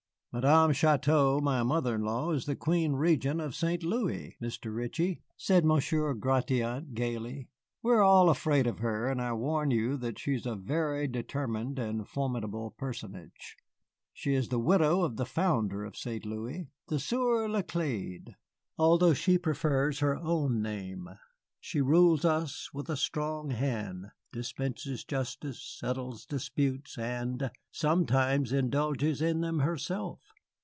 "Madame Chouteau, my mother in law, is the queen regent of St. Louis, Mr. Ritchie," said Monsieur Gratiot, gayly. "We are all afraid of her, and I warn you that she is a very determined and formidable personage. She is the widow of the founder of St. Louis, the Sieur Laclède, although she prefers her own name. She rules us with a strong hand, dispenses justice, settles disputes, and sometimes indulges in them herself.